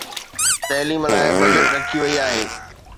تعليم لاءِ بجيٽ رکي وئي آهي